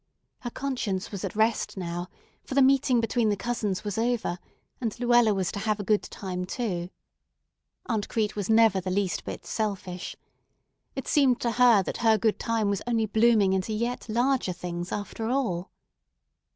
Her conscience was at rest now, for the meeting between the cousins was over, and Luella was to have a good time too. Aunt Crete was never the least bit selfish. It seemed to her that her good time was only blooming into yet larger things, after all.